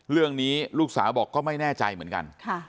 เรื่องนี้ลูกสาวบอกก็ไม่แน่ใจเหมือนกัน